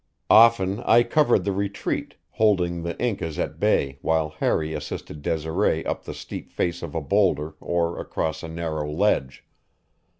Often I covered the retreat, holding the Incas at bay while Harry assisted Desiree up the steep face of a boulder or across a narrow ledge.